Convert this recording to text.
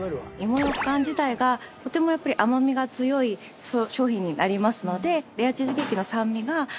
芋ようかん自体がとてもやっぱり甘みが強い商品になりますので。